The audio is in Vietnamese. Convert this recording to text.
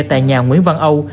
tại nhà nguyễn văn âu